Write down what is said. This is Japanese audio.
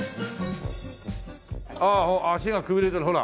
ああ脚がくびれてるほら。